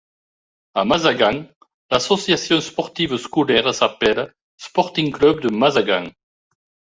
A Mazagan, l'association sportive scolaire s'appelle Sporting Club de Mazagan.